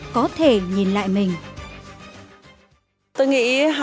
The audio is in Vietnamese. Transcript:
có thể nhìn lại mình